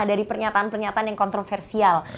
dari pernyataan pernyataan yang kontroversial